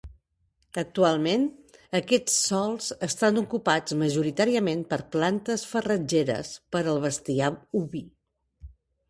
Actualment, aquests sòls estan ocupats majoritàriament per plantes farratgeres per al bestiar oví.